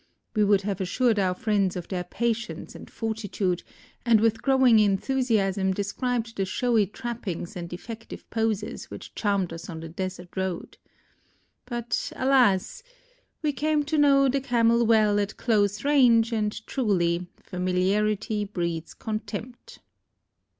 We would have assured our friends of their patience and fortitude and with growing enthusiasm described the showy trappings and effective poses which charmed us on the desert road. But alas! We came to know the Camel well at close range and truly "familiarity breeds contempt."